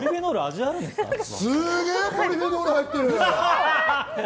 すげぇポリフェノール入ってる！